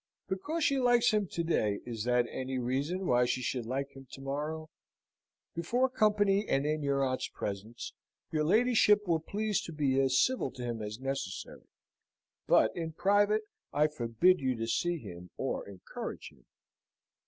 Because she likes him to day, is that any reason why she should like him to morrow? Before company, and in your aunt's presence, your ladyship will please to be as civil to him as necessary; but, in private, I forbid you to see him or encourage him."